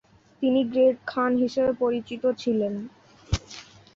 তিনি great Khan হিসেবে পরিচিত ছিলেন।